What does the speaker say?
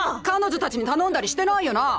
彼女たちに頼んだりしてないよな。